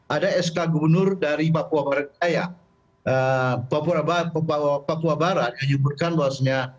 ada sk gubernur dari papua barat saya papua barat yang sebutkan bahwasanya